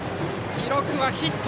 記録はヒット。